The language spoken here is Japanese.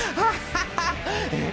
えっ？